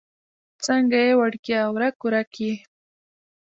څنګه يې وړکيه؛ ورک ورک يې؟